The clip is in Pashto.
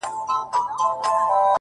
• ستا د يادونو فلسفې ليكلي ـ